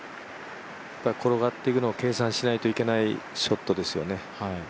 転がっていくのを計算しないといけないショットですよね。